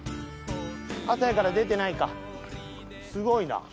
朝やから出てないかすごいな。